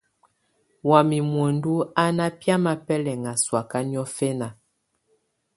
Wamɛ̀́ muǝndù à nà biamɛ̀á bɛlɛŋà sɔ̀áka niɔ̀fɛna.